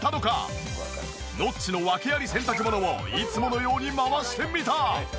ノッチの訳あり洗濯物をいつものように回してみた。